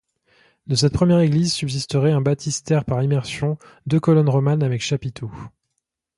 De cette première église subsisterait un baptistère par immersion, deux colonnes romanes avec chapiteaux.